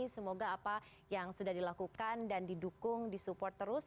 semoga apa yang sudah dilakukan dan didukung disupport terus